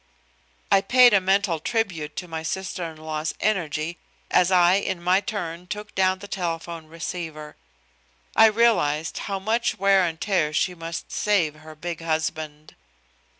I paid a mental tribute to my sister in law's energy as I in my turn took down the telephone receiver. I realized how much wear and tear she must save her big husband.